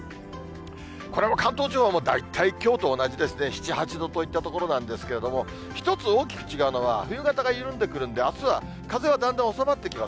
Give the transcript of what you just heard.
これも関東地方も、大体きょうと同じですね、７、８度といったところなんですけれども、１つ大きく違うのは、冬型が緩んでくるんで、あすは風はだんだん収まってきます。